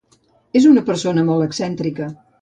És una persona molt excèntrica.